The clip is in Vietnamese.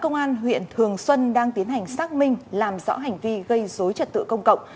công an huyện thường xuân đang tiến hành xác minh làm rõ hành vi gây dối trật tự công cộng